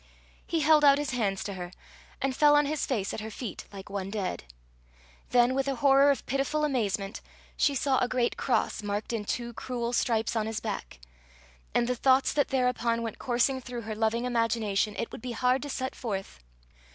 He held out his hands to her, and fell on his face at her feet like one dead. Then, with a horror of pitiful amazement, she saw a great cross marked in two cruel stripes on his back; and the thoughts that thereupon went coursing through her loving imagination, it would be hard to set forth.